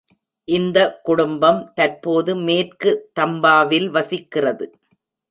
இந்த குடும்பம் தற்போது மேற்கு தம்பாவில் வசிக்கிறது.